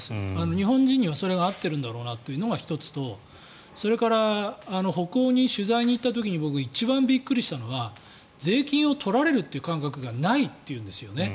日本人にはそれが合っているんだろうなというのが１つとそれから北欧に取材に行った時に僕が一番びっくりしたのは税金を取られるという感覚がないというんですね。